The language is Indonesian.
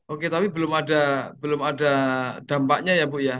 oke tapi belum ada dampaknya ya bu ya